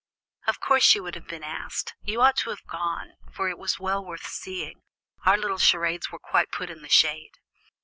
"Of course, you would have been asked; you ought to have gone, for it was well worth seeing; our little charades were quite put in the shade.